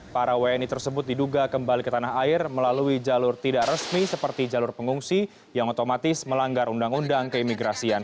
para wni tersebut diduga kembali ke tanah air melalui jalur tidak resmi seperti jalur pengungsi yang otomatis melanggar undang undang keimigrasian